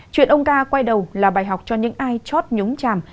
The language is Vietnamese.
chuyện ông ca quay đầu là bài học cho những ai chót nhúng chàm